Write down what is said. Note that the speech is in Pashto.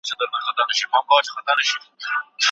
پیغمبر د ژبي د کنټرول سپارښتنه کوي.